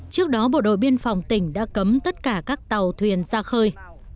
trước đó bộ đội biên phòng tỉnh đã cấm tất cả các tàu thuyền ra khơi